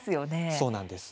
そうなんです。